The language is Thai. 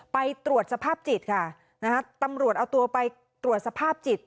ไปตรวจสภาพจิตค่ะนะฮะตำรวจเอาตัวไปตรวจสภาพจิต